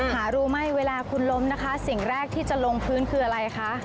หารู้ไหมเวลาคุณล้มนะคะสิ่งแรกที่จะลงพื้นคืออะไรคะ